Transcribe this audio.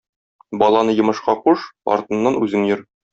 Баланы йомышка куш, артыннан үзең йөр.